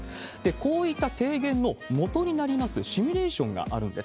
こういった提言のもとになりますシミュレーションがあるんです。